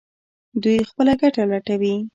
دوی خپله ګټه لټوي.